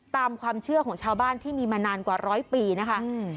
ตามความเชื่อของชาวบ้านที่มีมานานกว่าร้อยปีนะคะ